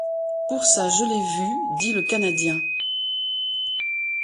Pour ça, je l’ai vu, dit le Canadien.